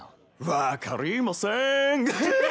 分かりません。